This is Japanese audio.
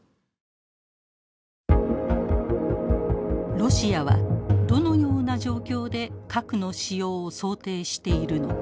ロシアはどのような状況で核の使用を想定しているのか。